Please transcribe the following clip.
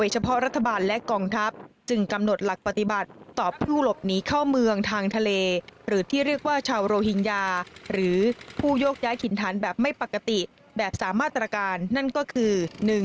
จึงกำหนดหลักปฏิบัติต่อผู้หลบหนีเข้าเมืองทางทะเลหรือที่เรียกว่าชาวโรฮิงญาหรือผู้ยกย้ายขินทันแบบไม่ปกติแบบสามารถตรการนั่นก็คือ